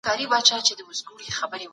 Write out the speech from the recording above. پیګو د اجناسو او خدماتو خبره کوي.